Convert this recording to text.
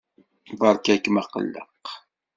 Beṛka-kem aqelleq.